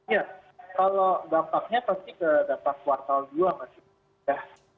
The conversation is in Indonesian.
ya kalau dampaknya pasti ke data kuartal dua masih